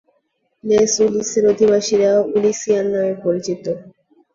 Less উলিসের অধিবাসীরা "উলিসিয়ান" নামে পরিচিত।